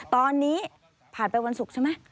ตอนนี้ผ่านไปวันศุกร์ใช่ไหม